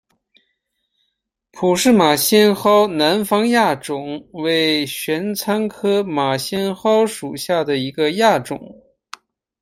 普氏马先蒿南方亚种为玄参科马先蒿属下的一个亚种。